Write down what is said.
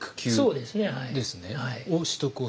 そうですねはい。